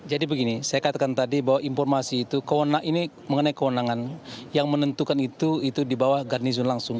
jadi begini saya katakan tadi bahwa informasi itu mengenai kewenangan yang menentukan itu di bawah garnizon langsung